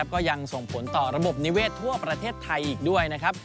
ก็ยังส่งผลต่อระบบนิเวศทั่วประเทศไทยอีกด้วยนะครับ